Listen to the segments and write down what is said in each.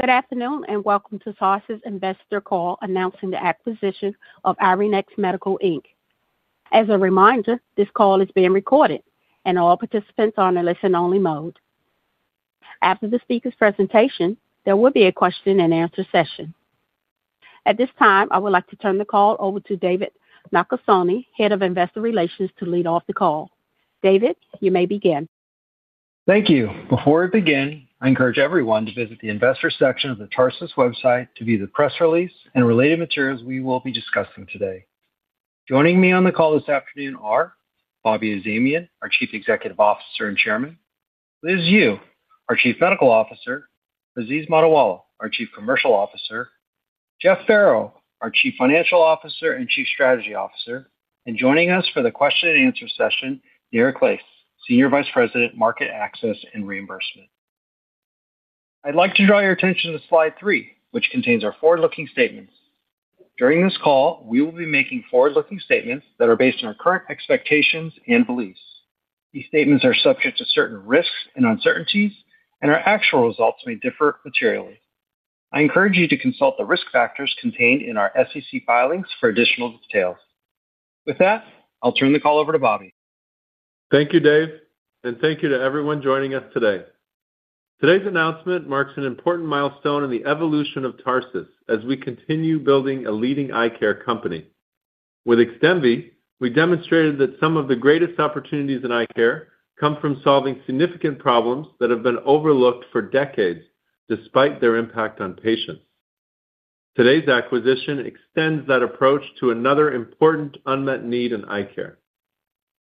Good afternoon, and welcome to Tarsus Investor Call announcing the acquisition of iRenix Medical, Inc. As a reminder, this call is being recorded and all participants are in listen-only mode. After the speaker's presentation, there will be a question and answer session. At this time, I would like to turn the call over to David Nakasone, Head of Investor Relations, to lead off the call. David, you may begin. Thank you. Before we begin, I encourage everyone to visit the Investors section of the Tarsus website to view the press release and related materials we will be discussing today. Joining me on the call this afternoon are Bobby Azamian, our Chief Executive Officer and Chairman. Liz Yoo, our Chief Medical Officer. Aziz Mottiwala, our Chief Commercial Officer. Jeff Farrow, our Chief Financial Officer and Chief Strategy Officer. Joining us for the question and answer session, Neera Clase, Senior Vice President, Market Access and Reimbursement. I'd like to draw your attention to slide three, which contains our forward-looking statements. During this call, we will be making forward-looking statements that are based on our current expectations and beliefs. These statements are subject to certain risks and uncertainties, and our actual results may differ materially. I encourage you to consult the risk factors contained in our SEC filings for additional details. With that, I'll turn the call over to Bobby. Thank you, Dave. Thank you to everyone joining us today. Today's announcement marks an important milestone in the evolution of Tarsus as we continue building a leading eye care company. With XDEMVY, we demonstrated that some of the greatest opportunities in eye care come from solving significant problems that have been overlooked for decades, despite their impact on patients. Today's acquisition extends that approach to another important unmet need in eye care.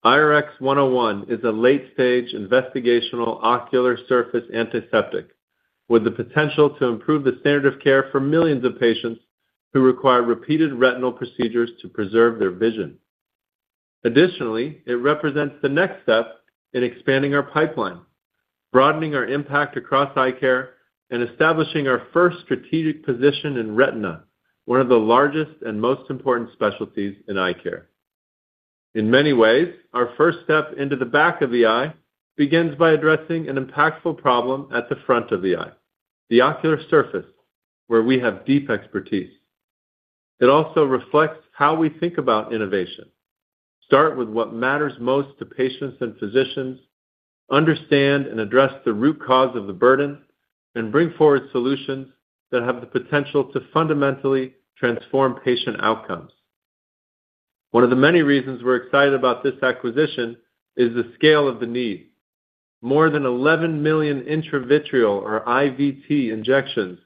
IRX-101 is a late-stage investigational ocular surface antiseptic, with the potential to improve the standard of care for millions of patients who require repeated retinal procedures to preserve their vision. Additionally, it represents the next step in expanding our pipeline, broadening our impact across eye care, and establishing our first strategic position in retina, one of the largest and most important specialties in eye care. In many ways, our first step into the back of the eye begins by addressing an impactful problem at the front of the eye, the ocular surface, where we have deep expertise. It also reflects how we think about innovation. Start with what matters most to patients and physicians, understand and address the root cause of the burden, and bring forward solutions that have the potential to fundamentally transform patient outcomes. One of the many reasons we're excited about this acquisition is the scale of the need. More than 11 million intravitreal or IVT injections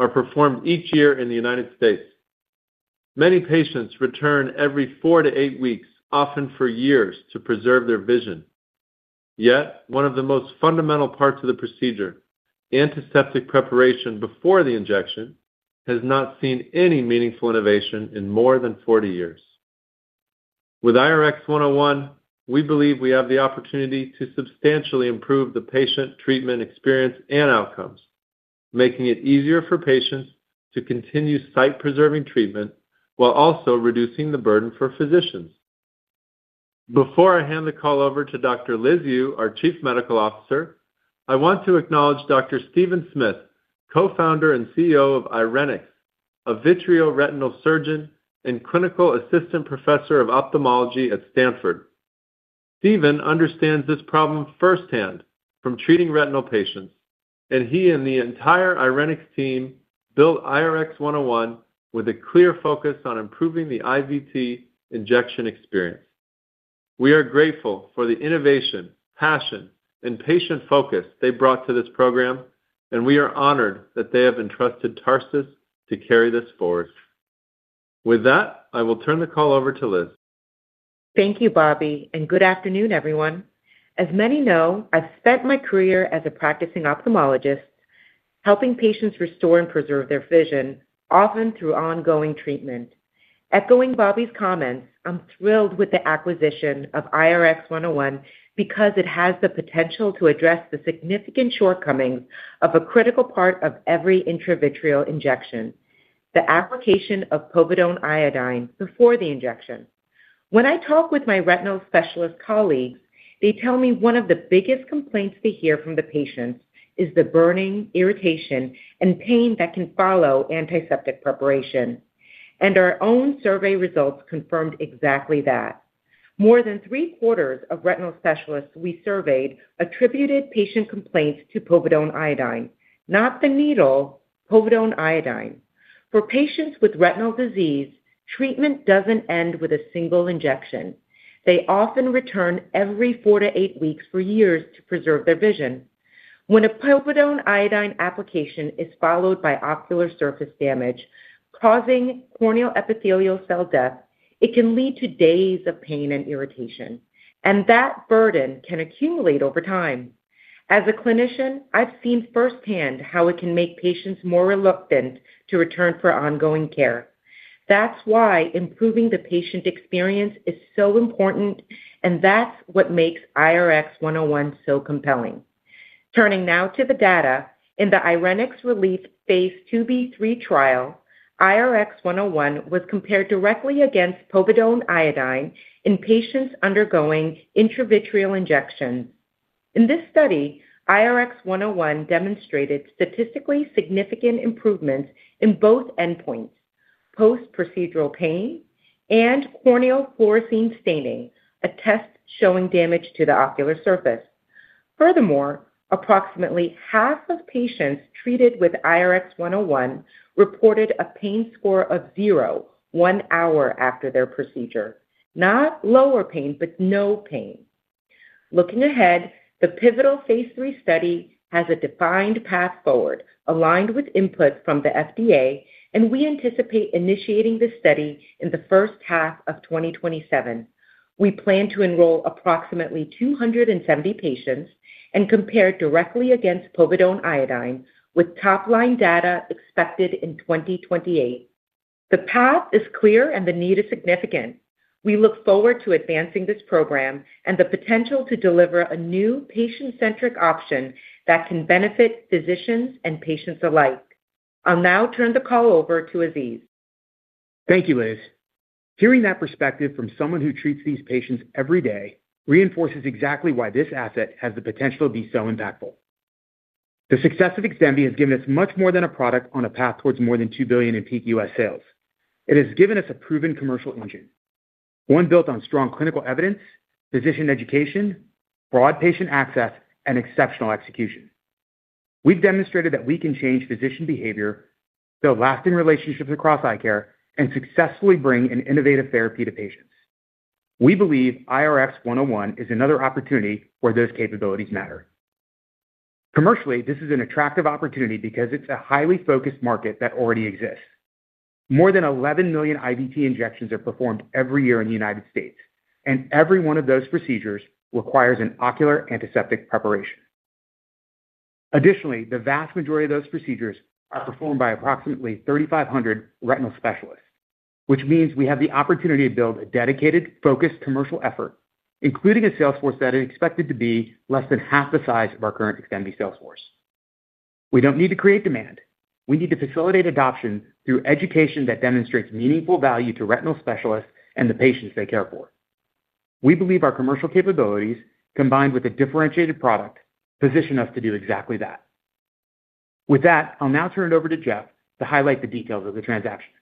are performed each year in the United States. Many patients return every four to eight weeks, often for years, to preserve their vision. Yet one of the most fundamental parts of the procedure, antiseptic preparation before the injection, has not seen any meaningful innovation in more than 40 years. With IRX-101, we believe we have the opportunity to substantially improve the patient treatment experience and outcomes, making it easier for patients to continue sight-preserving treatment while also reducing the burden for physicians. Before I hand the call over to Dr. Liz Yoo, our Chief Medical Officer, I want to acknowledge Dr. Stephen Smith, co-founder and CEO of iRenix, a vitreo retinal surgeon and clinical assistant professor of ophthalmology at Stanford. Stephen understands this problem firsthand from treating retinal patients, and he and the entire iRenix team built IRX-101 with a clear focus on improving the IVT injection experience. We are grateful for the innovation, passion, and patient focus they brought to this program, and we are honored that they have entrusted Tarsus to carry this forward. With that, I will turn the call over to Liz. Thank you, Bobby, and good afternoon, everyone. As many know, I've spent my career as a practicing ophthalmologist, helping patients restore and preserve their vision, often through ongoing treatment. Echoing Bobby's comments, I'm thrilled with the acquisition of IRX-101 because it has the potential to address the significant shortcomings of a critical part of every intravitreal injection, the application of povidone-iodine before the injection. When I talk with my retinal specialist colleagues, they tell me one of the biggest complaints they hear from the patients is the burning, irritation, and pain that can follow antiseptic preparation. Our own survey results confirmed exactly that. More than three-quarters of retinal specialists we surveyed attributed patient complaints to povidone-iodine. Not the needle, povidone-iodine. For patients with retinal disease, treatment doesn't end with a single injection. They often return every four to eight weeks for years to preserve their vision. When a povidone-iodine application is followed by ocular surface damage causing corneal epithelial cell death, it can lead to days of pain and irritation, and that burden can accumulate over time. As a clinician, I've seen firsthand how it can make patients more reluctant to return for ongoing care. That's why improving the patient experience is so important, and that's what makes IRX-101 so compelling. Turning now to the data. In the iRenix RELIEF phase II-B/III trial, IRX-101 was compared directly against povidone-iodine in patients undergoing intravitreal injections. In this study, IRX-101 demonstrated statistically significant improvements in both endpoints, post-procedural pain and corneal fluorescein staining, a test showing damage to the ocular surface. Furthermore, approximately half of patients treated with IRX-101 reported a pain score of zero one hour after their procedure. Not lower pain, but no pain. Looking ahead, the pivotal phase III study has a defined path forward aligned with input from the FDA, and we anticipate initiating this study in the first half of 2027. We plan to enroll approximately 270 patients and compare directly against povidone-iodine with top-line data expected in 2028. The path is clear and the need is significant. We look forward to advancing this program and the potential to deliver a new patient-centric option that can benefit physicians and patients alike. I'll now turn the call over to Aziz. Thank you, Liz. Hearing that perspective from someone who treats these patients every day reinforces exactly why this asset has the potential to be so impactful. The success of XDEMVY has given us much more than a product on a path towards more than $2 billion in peak U.S. sales. It has given us a proven commercial engine, one built on strong clinical evidence, physician education, broad patient access, and exceptional execution. We've demonstrated that we can change physician behavior, build lasting relationships across eye care, and successfully bring an innovative therapy to patients. We believe IRX-101 is another opportunity where those capabilities matter. Commercially, this is an attractive opportunity because it's a highly focused market that already exists. More than 11 million IVT injections are performed every year in the U.S., and every one of those procedures requires an ocular antiseptic preparation. The vast majority of those procedures are performed by approximately 3,500 retinal specialists, which means we have the opportunity to build a dedicated, focused commercial effort, including a sales force that is expected to be less than half the size of our current XDEMVY sales force. We don't need to create demand. We need to facilitate adoption through education that demonstrates meaningful value to retinal specialists and the patients they care for. We believe our commercial capabilities, combined with a differentiated product, position us to do exactly that. I'll now turn it over to Jeff to highlight the details of the transaction.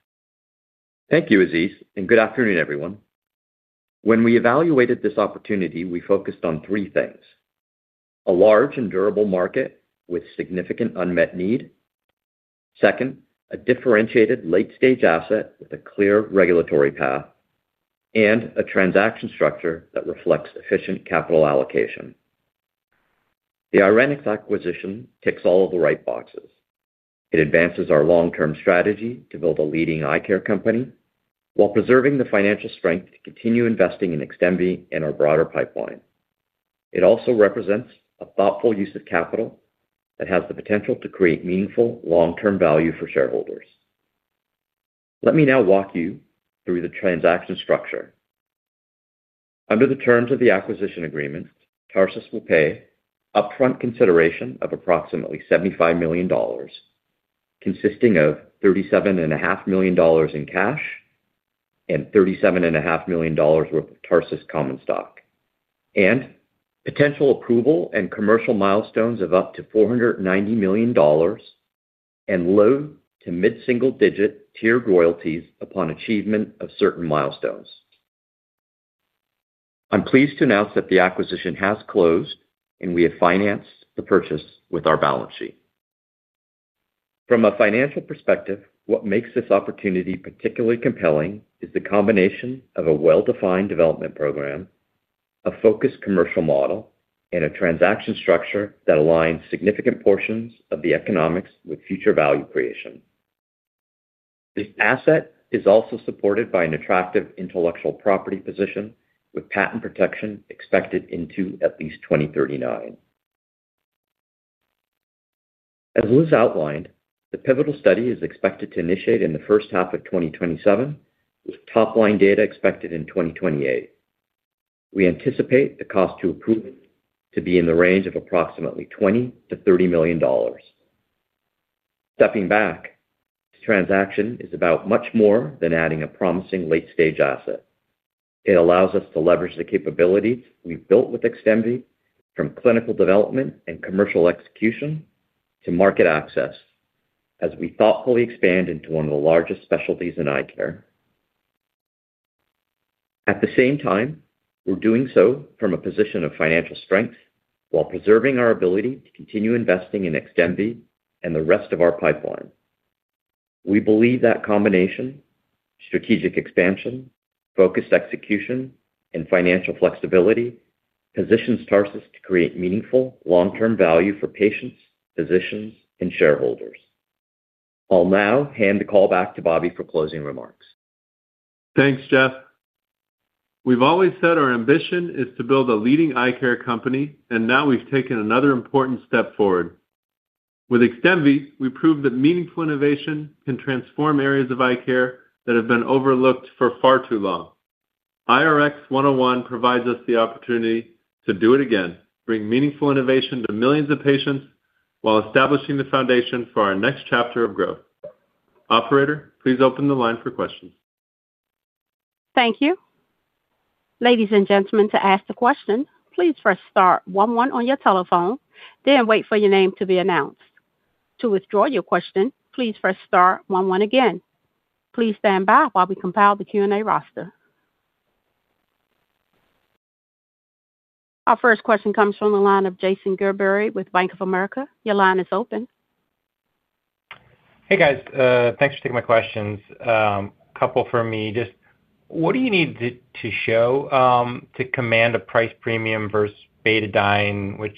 Thank you, Aziz, and good afternoon, everyone. When we evaluated this opportunity, we focused on three things. A large and durable market with significant unmet need. Second, a differentiated late-stage asset with a clear regulatory path, and a transaction structure that reflects efficient capital allocation. The iRenix acquisition ticks all of the right boxes. It advances our long-term strategy to build a leading eye care company while preserving the financial strength to continue investing in XDEMVY and our broader pipeline. It also represents a thoughtful use of capital that has the potential to create meaningful long-term value for shareholders. Let me now walk you through the transaction structure. Under the terms of the acquisition agreement, Tarsus will pay upfront consideration of approximately $75 million, consisting of $37.5 million in cash and $37.5 million worth of Tarsus common stock, and potential approval and commercial milestones of up to $490 million and low to mid-single digit tiered royalties upon achievement of certain milestones. I'm pleased to announce that the acquisition has closed, and we have financed the purchase with our balance sheet. From a financial perspective, what makes this opportunity particularly compelling is the combination of a well-defined development program, a focused commercial model, and a transaction structure that aligns significant portions of the economics with future value creation. This asset is also supported by an attractive intellectual property position with patent protection expected into at least 2039. As Liz outlined, the pivotal study is expected to initiate in the first half of 2027, with top-line data expected in 2028. We anticipate the cost to approve it to be in the range of approximately $20 million-$30 million. Stepping back, this transaction is about much more than adding a promising late-stage asset. It allows us to leverage the capabilities we've built with XDEMVY from clinical development and commercial execution to market access as we thoughtfully expand into one of the largest specialties in eye care. At the same time, we're doing so from a position of financial strength while preserving our ability to continue investing in XDEMVY and the rest of our pipeline. We believe that combination, strategic expansion, focused execution, and financial flexibility positions Tarsus to create meaningful long-term value for patients, physicians, and shareholders. I'll now hand the call back to Bobby for closing remarks. Thanks, Jeff. We've always said our ambition is to build a leading eye care company. Now we've taken another important step forward. With XDEMVY, we proved that meaningful innovation can transform areas of eye care that have been overlooked for far too long. IRX-101 provides us the opportunity to do it again, bring meaningful innovation to millions of patients while establishing the foundation for our next chapter of growth. Operator, please open the line for questions. Thank you. Ladies and gentlemen, to ask the question, please press star one one on your telephone, then wait for your name to be announced. To withdraw your question, please press star one one again. Please stand by while we compile the Q&A roster. Our first question comes from the line of Jason Gerberry with Bank of America. Your line is open. Hey, guys. Thanks for taking my questions. A couple from me. What do you need to show to command a price premium versus Betadine, which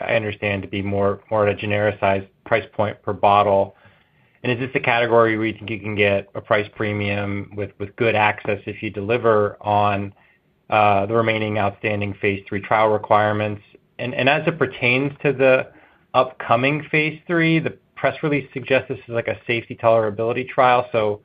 I understand to be more at a genericized price point per bottle? Is this a category where you think you can get a price premium with good access if you deliver on the remaining outstanding phase III trial requirements? As it pertains to the upcoming phase III, the press release suggests this is like a safety tolerability trial.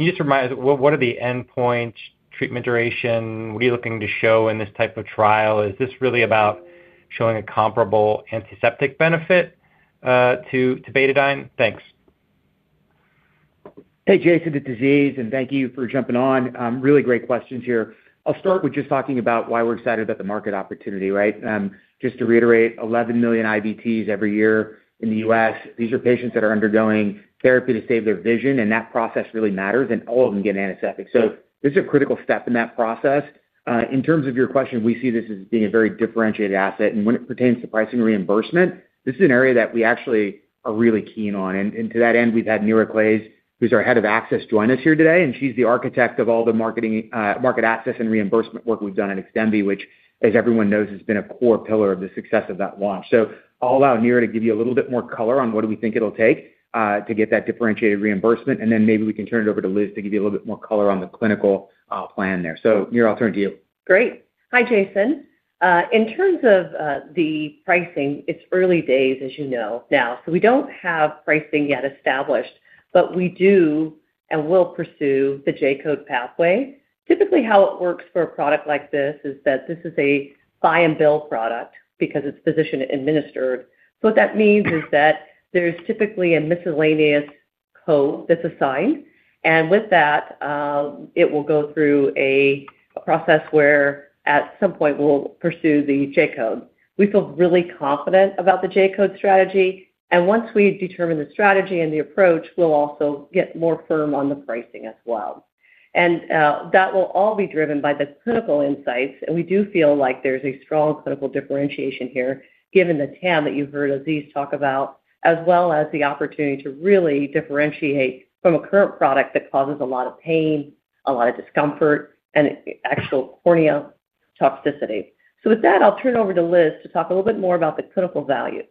Can you just remind us, what are the endpoints, treatment duration? What are you looking to show in this type of trial? Is this really about showing a comparable antiseptic benefit to Betadine? Thanks. Hey, Jason. It's Aziz, thank you for jumping on. Really great questions here. I'll start with just talking about why we're excited about the market opportunity, right? To reiterate, 11 million IVTs every year in the U.S. These are patients that are undergoing therapy to save their vision, that process really matters, and all of them get antiseptic. This is a critical step in that process. In terms of your question, we see this as being a very differentiated asset, when it pertains to pricing reimbursement, this is an area that we actually are really keen on. To that end, we've had Nira Claes, who's our head of access, join us here today, she's the architect of all the market access and reimbursement work we've done at XDEMVY, which, as everyone knows, has been a core pillar of the success of that launch. I'll allow Nira to give you a little bit more color on what do we think it'll take to get that differentiated reimbursement, then maybe we can turn it over to Liz to give you a little bit more color on the clinical plan there. Nira, I'll turn to you. Great. Hi, Jason. In terms of the pricing, it's early days, as you know now. We don't have pricing yet established, but we do and will pursue the J-code pathway. Typically, how it works for a product like this is that this is a buy and bill product because it's physician administered. What that means is that there's typically a miscellaneous code that's assigned, with that, it will go through a process where at some point we'll pursue the J-code. We feel really confident about the J-code strategy, once we determine the strategy and the approach, we'll also get more firm on the pricing as well. That will all be driven by the clinical insights, and we do feel like there's a strong clinical differentiation here given the TAM that you've heard Aziz Mottiwala talk about, as well as the opportunity to really differentiate from a current product that causes a lot of pain, a lot of discomfort, and actual corneal toxicity. With that, I'll turn it over to Liz to talk a little bit more about the clinical value.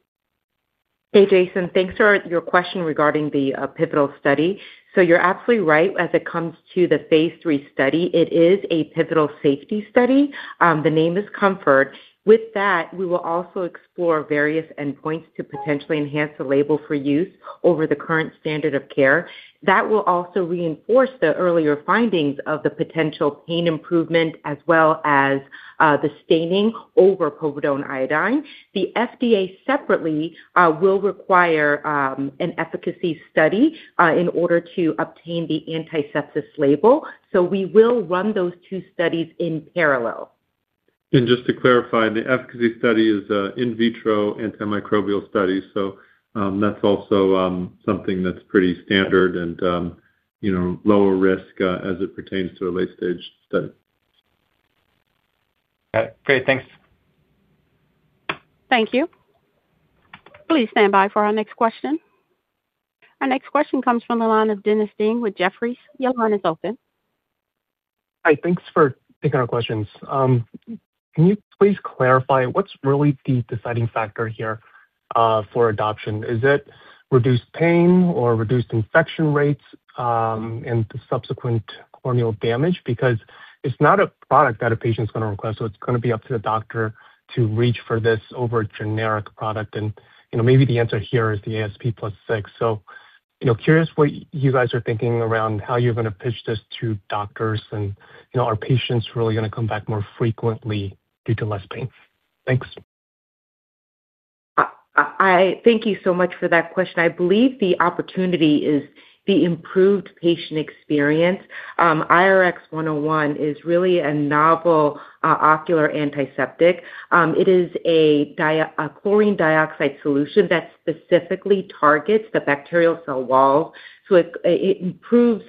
Hey, Jason. Thanks for your question regarding the pivotal study. You're absolutely right as it comes to the phase III study. It is a pivotal safety study. The name is COMFORT. With that, we will also explore various endpoints to potentially enhance the label for use over the current standard of care. That will also reinforce the earlier findings of the potential pain improvement, as well as the staining over povidone-iodine. The FDA separately will require an efficacy study in order to obtain the antisepsis label. We will run those two studies in parallel. Just to clarify, the efficacy study is in vitro antimicrobial study, that's also something that's pretty standard and lower risk as it pertains to a late-stage study. Okay, great. Thanks. Thank you. Please stand by for our next question. Our next question comes from the line of Dennis Ding with Jefferies. Your line is open. Hi, thanks for taking our questions. Can you please clarify what's really the deciding factor here for adoption? Is it reduced pain or reduced infection rates and subsequent corneal damage? It's not a product that a patient's going to request, so it's going to be up to the doctor to reach for this over a generic product. Maybe the answer here is the ASP plus 6%. Curious what you guys are thinking around how you're going to pitch this to doctors, and are patients really going to come back more frequently due to less pain? Thanks. Thank you so much for that question. I believe the opportunity is the improved patient experience. IRX-101 is really a novel ocular antiseptic. It is a chlorine dioxide solution that specifically targets the bacterial cell wall. It improves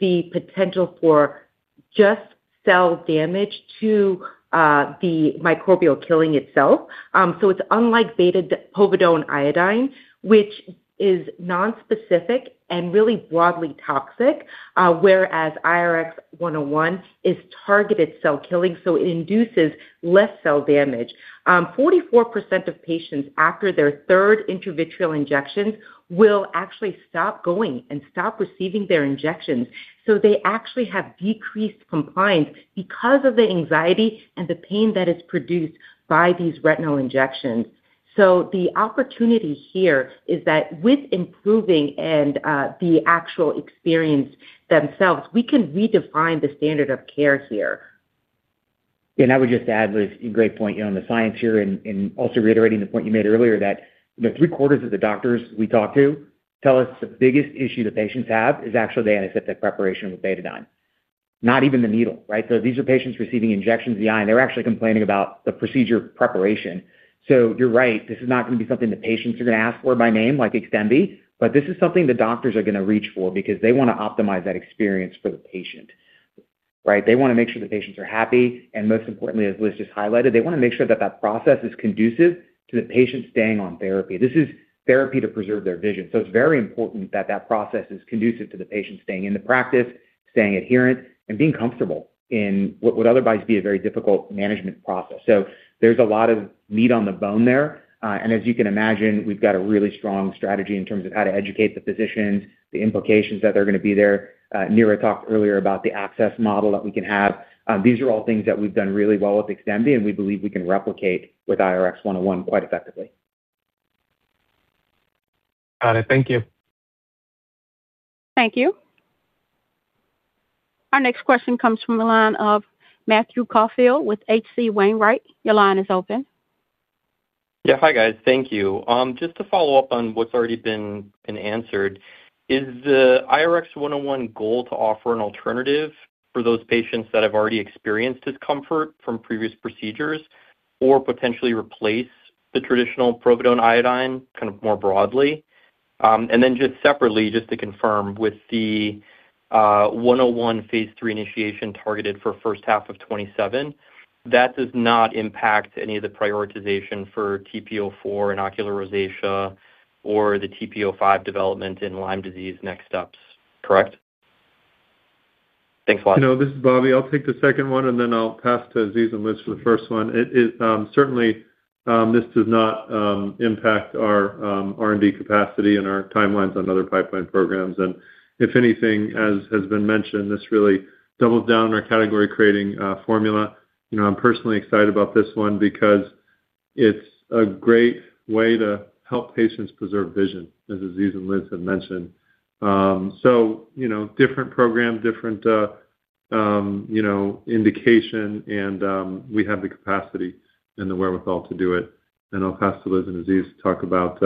the potential for just cell damage to the microbial killing itself. It's unlike povidone-iodine, which is nonspecific and really broadly toxic, whereas IRX-101 is targeted cell killing, so it induces less cell damage. 44% of patients after their third intravitreal injections will actually stop going and stop receiving their injections. They actually have decreased compliance because of the anxiety and the pain that is produced by these retinal injections. The opportunity here is that with improving and the actual experience themselves, we can redefine the standard of care here. I would just add, Liz, great point on the science here, and also reiterating the point you made earlier that the three-quarters of the doctors we talk to tell us the biggest issue that patients have is actually the antiseptic preparation with Betadine, not even the needle. These are patients receiving injections in the eye, and they're actually complaining about the procedure preparation. You're right, this is not going to be something that patients are going to ask for by name like XDEMVY, but this is something the doctors are going to reach for because they want to optimize that experience for the patient. They want to make sure the patients are happy, and most importantly, as Liz just highlighted, they want to make sure that process is conducive to the patient staying on therapy. This is therapy to preserve their vision. It's very important that process is conducive to the patient staying in the practice, staying adherent, and being comfortable in what would otherwise be a very difficult management process. There's a lot of meat on the bone there. As you can imagine, we've got a really strong strategy in terms of how to educate the physicians, the implications that are going to be there. Nira talked earlier about the access model that we can have. These are all things that we've done really well with XDEMVY, and we believe we can replicate with IRX-101 quite effectively. Got it. Thank you. Thank you. Our next question comes from the line of Matthew Caufield with H.C. Wainwright. Your line is open. Hi, guys. Thank you. Just to follow up on what's already been answered, is the IRX-101 goal to offer an alternative for those patients that have already experienced discomfort from previous procedures or potentially replace the traditional povidone-iodine kind of more broadly? Then just separately, just to confirm, with the IRX-101 phase III initiation targeted for first half of 2027, that does not impact any of the prioritization for TP-04 in ocular rosacea or the TP-05 development in Lyme disease next steps, correct? Thanks a lot. No, this is Bobby. Then I'll pass to Aziz and Liz for the first one. Certainly, this does not impact our R&D capacity and our timelines on other pipeline programs. If anything, as has been mentioned, this really doubles down our category-creating formula. I'm personally excited about this one because it's a great way to help patients preserve vision, as Aziz and Liz had mentioned. Different program, different indication, and we have the capacity and the wherewithal to do it. I'll pass to Liz and Aziz to talk about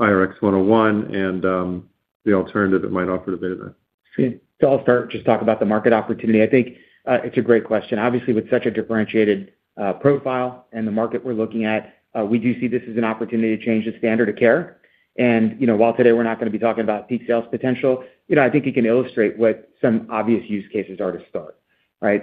IRX-101 and the alternative it might offer to Betadine. I'll start, just talk about the market opportunity. I think it's a great question. Obviously, with such a differentiated profile and the market we're looking at, we do see this as an opportunity to change the standard of care. While today we're not going to be talking about peak sales potential, I think you can illustrate what some obvious use cases are to start.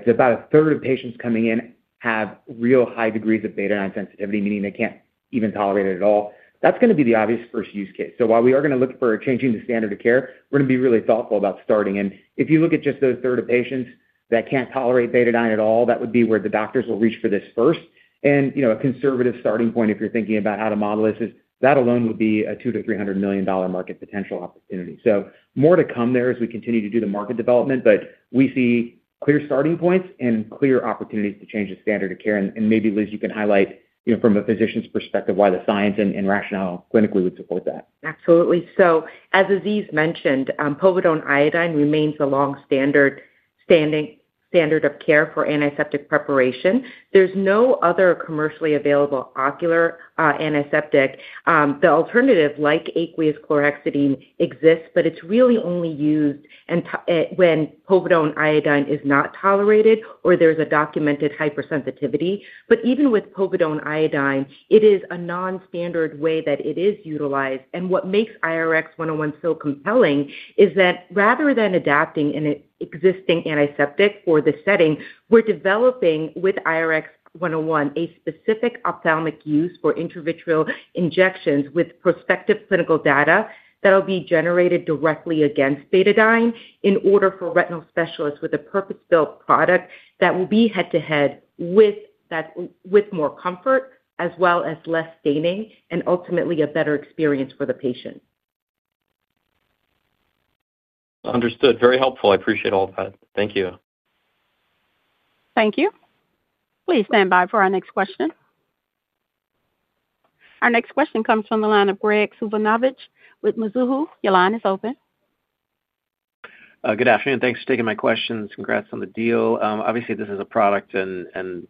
About a third of patients coming in have real high degrees of Betadine sensitivity, meaning they can't even tolerate it at all. That's going to be the obvious first use case. While we are going to look for changing the standard of care, we're going to be really thoughtful about starting. If you look at just those third of patients that can't tolerate Betadine at all, that would be where the doctors will reach for this first. A conservative starting point, if you're thinking about how to model this is, that alone would be a $2 million-$300 million market potential opportunity. More to come there as we continue to do the market development, but we see clear starting points and clear opportunities to change the standard of care. Maybe, Liz, you can highlight from a physician's perspective why the science and rationale clinically would support that. Absolutely. As Aziz mentioned, povidone-iodine remains the long standard of care for antiseptic preparation. There's no other commercially available ocular antiseptic. The alternative, like aqueous chlorhexidine, exists, but it's really only used when povidone-iodine is not tolerated or there's a documented hypersensitivity. Even with povidone-iodine, it is a non-standard way that it is utilized. What makes IRX-101 so compelling is that rather than adapting an existing antiseptic for the setting, we're developing with IRX-101 a specific ophthalmic use for intravitreal injections with prospective clinical data that'll be generated directly against Betadine in order for retinal specialists with a purpose-built product that will be head to head with more comfort as well as less staining and ultimately a better experience for the patient. Understood. Very helpful. I appreciate all of that. Thank you. Thank you. Please stand by for our next question. Our next question comes from the line of Graig Suvannavejh with Mizuho. Your line is open. Good afternoon. Thanks for taking my questions. Congrats on the deal. Obviously, this is a product and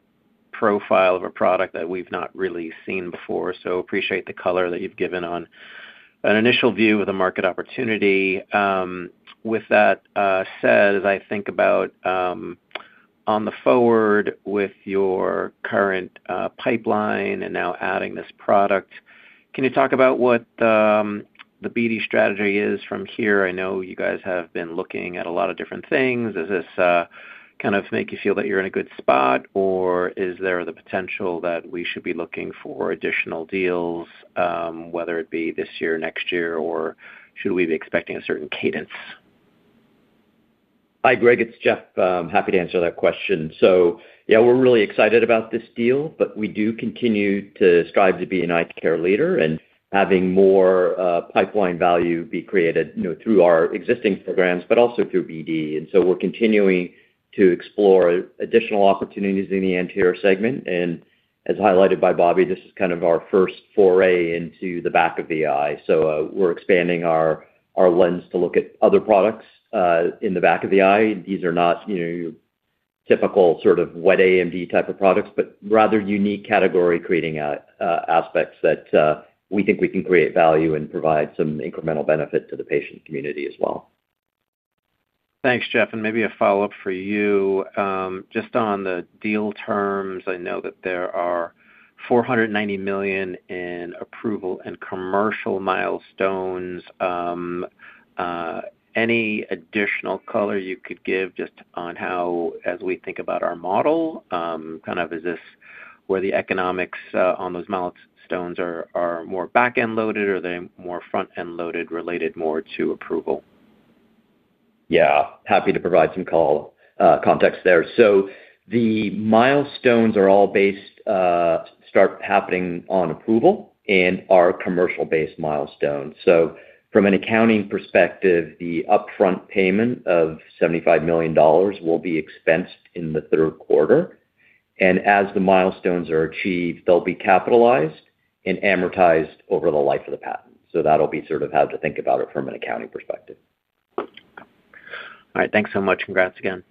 profile of a product that we've not really seen before, so appreciate the color that you've given on an initial view of the market opportunity. With that said, as I think about on the forward with your current pipeline and now adding this product, can you talk about what the BD strategy is from here? I know you guys have been looking at a lot of different things. Does this kind of make you feel that you're in a good spot, or is there the potential that we should be looking for additional deals whether it be this year or next year, or should we be expecting a certain cadence? Hi, Graig, it's Jeff. Happy to answer that question. Yeah, we're really excited about this deal, but we do continue to strive to be an eye care leader and having more pipeline value be created through our existing programs, but also through BD. We're continuing to explore additional opportunities in the anterior segment and As highlighted by Bobby, this is kind of our first foray into the back of the eye. We're expanding our lens to look at other products in the back of the eye. These are not your typical sort of wet AMD type of products, but rather unique category-creating aspects that we think we can create value and provide some incremental benefit to the patient community as well. Thanks, Jeff, maybe a follow-up for you. Just on the deal terms, I know that there are $490 million in approval and commercial milestones. Any additional color you could give just on how, as we think about our model, kind of is this where the economics on those milestones are more back-end loaded, or are they more front-end loaded, related more to approval? Yeah, happy to provide some context there. The milestones are all based, start happening on approval and are commercial-based milestones. From an accounting perspective, the upfront payment of $75 million will be expensed in the third quarter. As the milestones are achieved, they'll be capitalized and amortized over the life of the patent. That'll be sort of how to think about it from an accounting perspective. All right. Thanks so much. Congrats again.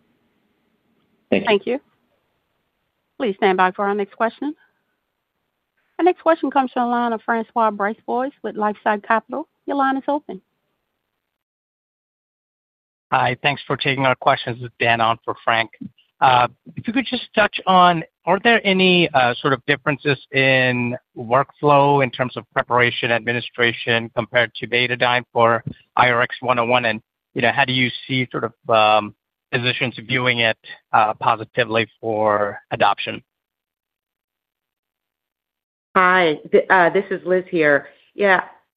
Thank you. Thank you. Please stand by for our next question. Our next question comes to the line of François Brisebois with LifeSci Capital. Your line is open. Hi. Thanks for taking our questions. This is Dan on for Frank. If you could just touch on, are there any sort of differences in workflow in terms of preparation administration compared to Betadine for IRX-101, and how do you see sort of physicians viewing it positively for adoption? Hi, this is Liz here.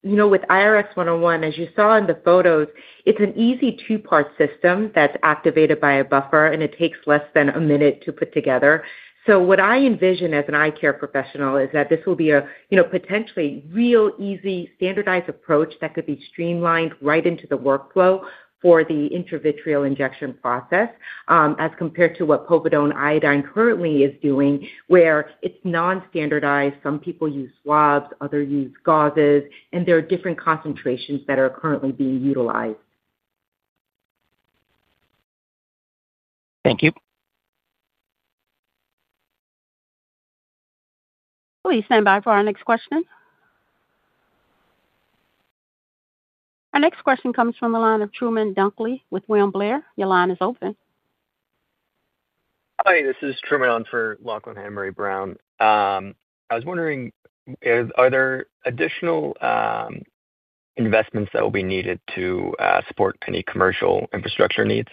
Yeah, with IRX-101, as you saw in the photos, it's an easy two-part system that's activated by a buffer, and it takes less than a minute to put together. What I envision as an eye care professional is that this will be a potentially real easy, standardized approach that could be streamlined right into the workflow for the intravitreal injection process, as compared to what povidone-iodine currently is doing, where it's non-standardized. Some people use swabs, others use gauzes, and there are different concentrations that are currently being utilized. Thank you. Please stand by for our next question. Our next question comes from the line of Truman Dunkley with William Blair. Your line is open. Hi, this is Truman for Lachlan Hanbury-Brown. I was wondering, are there additional investments that will be needed to support any commercial infrastructure needs?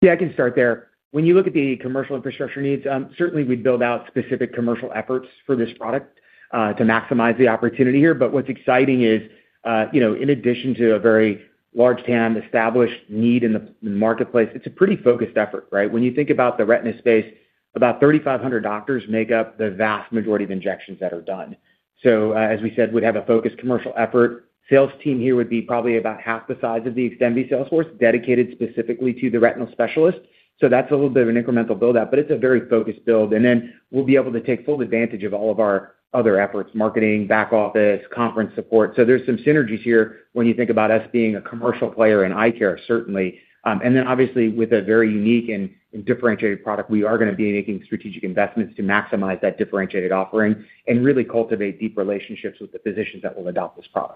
Yeah, I can start there. When you look at the commercial infrastructure needs, certainly we'd build out specific commercial efforts for this product to maximize the opportunity here. What's exciting is, in addition to a very large TAM established need in the marketplace, it's a pretty focused effort, right? When you think about the retina space, about 3,500 doctors make up the vast majority of injections that are done. As we said, we'd have a focused commercial effort. Sales team here would be probably about half the size of the XDEMVY sales force dedicated specifically to the retinal specialist. That's a little bit of an incremental build-out, but it's a very focused build. We'll be able to take full advantage of all of our other efforts, marketing, back office, conference support. There's some synergies here when you think about us being a commercial player in eye care, certainly. Obviously with a very unique and differentiated product, we are going to be making strategic investments to maximize that differentiated offering and really cultivate deep relationships with the physicians that will adopt this product.